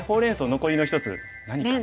残りの１つ何かな？